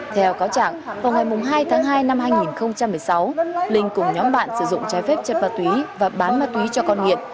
theo cáo trạng vào ngày hai tháng hai năm hai nghìn một mươi sáu linh cùng nhóm bạn sử dụng trái phép chất ma túy và bán ma túy cho con nghiện